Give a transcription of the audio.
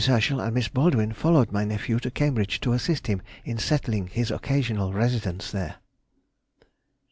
Herschel and Miss Baldwin followed my nephew to Cambridge to assist him in settling his occasional residence there.